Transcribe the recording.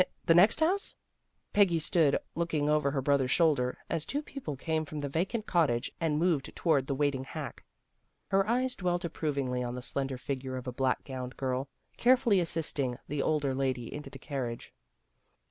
The next house? " Peggy stood looking over her brother's shoulder, as two people came from the vacant cottage and moved toward the waiting hack. Her eyes dwelt approvingly on the slender figure of a black gowned girl, carefully assisting the older lady into the carriage.